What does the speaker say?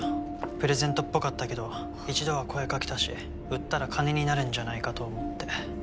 プレゼントっぽかったけど一度は声かけたし売ったら金になるんじゃないかと思って。